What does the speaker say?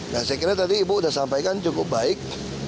nah saya kira tadi ibu sudah sampaikan cukup baik